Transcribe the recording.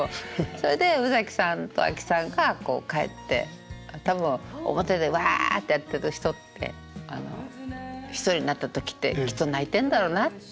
それで宇崎さんと阿木さんが書いて多分表でわあってやってる人って１人になった時ってきっと泣いてんだろうなって。